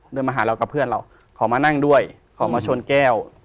มาหาเรากับเพื่อนเราขอมานั่งด้วยขอมาชนแก้ว